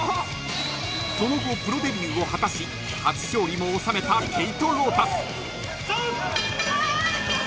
［その後プロデビューを果たし初勝利も収めたケイト・ロータス］